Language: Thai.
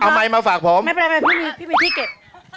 เอาใหม่มาฝากผมไม่เป็นไรพี่ไม้ที่เก็บ